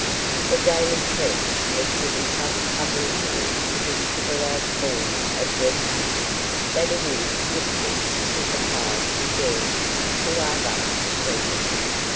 The daily press has given such publicity to this civilized form of "head hunting," that it is difficult to sympathize with girls who are thus treated.